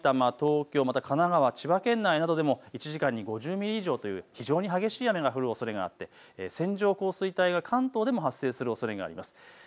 埼玉、東京、また神奈川、千葉県内などで１時間に５０ミリ以上という非常に激しい雨が降るおそれがあって線状降水帯が関東でも発生するおそれがあります。